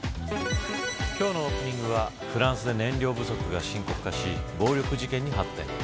今日のオープニングはフランスで燃料不足が深刻化し暴力事件に発展。